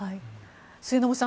末延さん